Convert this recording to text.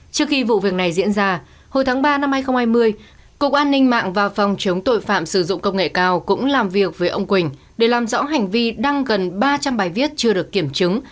trước khi vụ việc này diễn ra hồi tháng ba năm hai nghìn hai mươi cục an ninh mạng và phòng chống tội phạm sử dụng công nghệ cao cũng làm việc với ông quỳnh để làm rõ hành vi đăng gần ba trăm linh bài viết chưa được kiểm chứng